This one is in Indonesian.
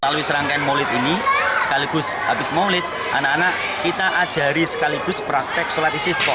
selalu serangkaian molit ini sekaligus habis molit anak anak kita ajarin sekaligus praktek sholat istiqo